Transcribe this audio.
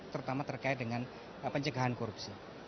terutama terkait dengan pencegahan korupsi